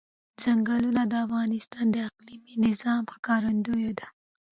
ځنګلونه د افغانستان د اقلیمي نظام ښکارندوی ده.